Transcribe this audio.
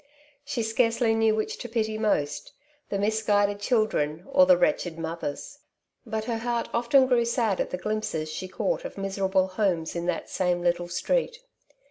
She scarcely knew which to pity most, the misguided children, or the wretched mothers. But her heart often grew sad at the glimpses she caught of miserable homes in that same little street.